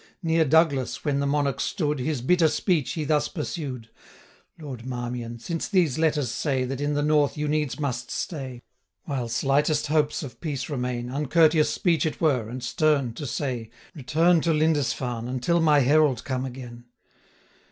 420 Near Douglas when the Monarch stood, His bitter speech he thus pursued : 'Lord Marmion, since these letters say That in the North you needs must stay, While slightest hopes of peace remain, 425 Uncourteous speech it were, and stern, To say Return to Lindisfarne, Until my herald come again.